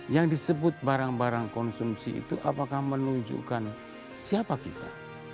yang disebut barang barang konsumsi itu apakah menunjukkan siapa kita